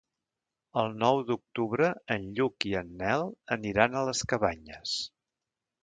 El nou d'octubre en Lluc i en Nel aniran a les Cabanyes.